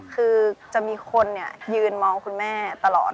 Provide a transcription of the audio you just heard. คือจะมีคนยืนมองคุณแม่ตลอด